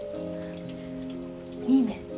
いいね。